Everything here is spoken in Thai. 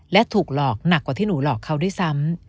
และถูกหลอกหนักกว่าที่หนูหลอกเขาด้วยซ้ำ